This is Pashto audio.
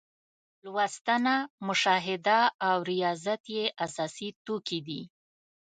لوستنه، مشاهده او ریاضت یې اساسي توکي دي.